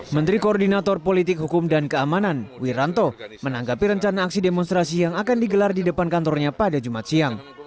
menteri koordinator politik hukum dan keamanan wiranto menanggapi rencana aksi demonstrasi yang akan digelar di depan kantornya pada jumat siang